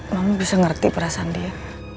kamu bisa ngerti perasaan dia